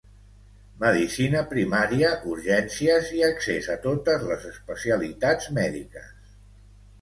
Medicina primària urgències i accés a totes les especialitats mèdiques